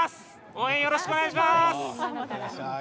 応援よろしくお願いします！